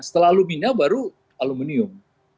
setelah alumina baru aluminium